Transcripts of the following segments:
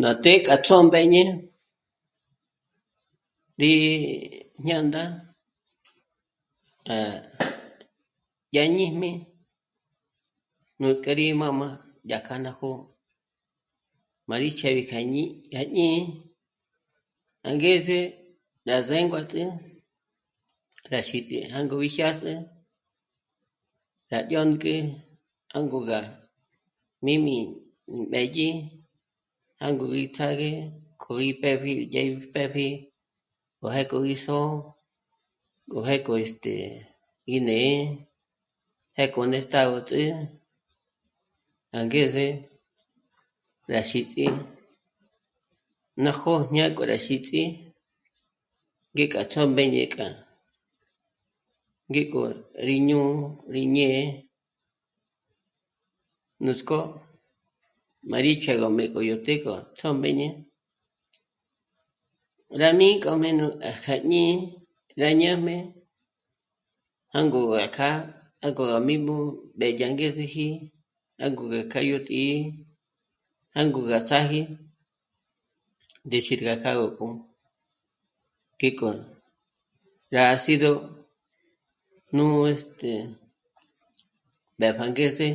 Ná të́'ë k'a ts'ómbeñe rí... jñā̂ndā rá... ñá jíjmi. Nuts'k'é rí mā́jmā yá kja ná jó'o, má rí ch'éb'i kja jñí'i, à jñí'i... angeze rá zénguats'ü kja xíts'i jângo bi jyâs'ü rá dyônk'e jângor gá jmī́mī mbédyi, jângo gí ts'ágé k'o í pë́pji dyé'e í pë́pji, má já k'o gí só'o, k'o jé k'o este... í né'e pjéko néstagots'ü angeze rá xíts'i ná jó'o jñák'o rá xíts'i, ngéka ts'ómbeñe kja ngék'o rí jñù'u, rí ñé'e, nuts'k'ó má gí chéb'ejmé k'o yó të́'ë gó ts'ómbeñe. Rá ní k'a mé' nú à kja jñí'i, rá ñájme jângo gá kjâ'a jângo rá jíjmu ndé dyá angezeji jângo gá kjâ'a yó tǐ'i, jângo gá ts'áji ndéxi rá k'a gó k'u, ngíko rá'asíd'o nú... este mbépja angeze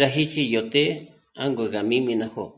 rá xích'i yó të́'ë jângor gá jmī́mī ná jó'o